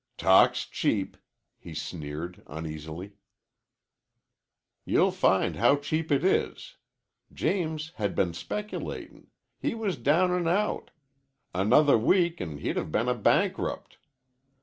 "Talk 's cheap," he sneered uneasily. "You'll find how cheap it is. James had been speculatin'. He was down an' out. Another week, an' he'd have been a bankrupt.